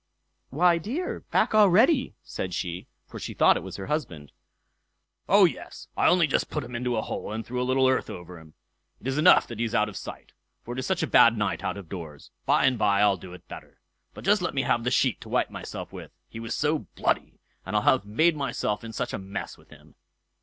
"Why, dear, back already!" said she, for she thought it was her husband. "O yes, I only just put him into a hole, and threw a little earth over him. It is enough that he is out of sight, for it is such a bad night out of doors; by and by I'll do it better. But just let me have the sheet to wipe myself with—he was so bloody—and I have made myself in such a mess with him."